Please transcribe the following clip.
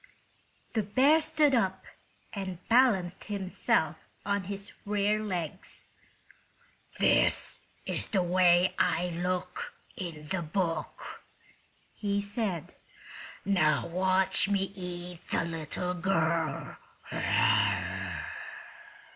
The bear stood up and balanced himself on his rear legs. "This is the way I look in the book," he said. "Now watch me eat the little girl."